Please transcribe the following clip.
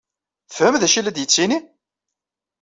Tefhem d acu ay la d-yettini?